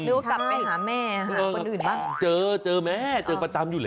หรือว่ากลับไปหาแม่หรือคนอื่นบ้างเจอแม่เจอประตำอยู่แหละ